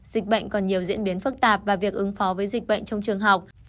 dịch bệnh còn nhiều diễn biến phức tạp và việc ứng phó với dịch bệnh trong trường học